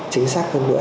chính xác hơn nữa